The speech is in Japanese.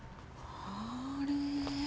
あれ。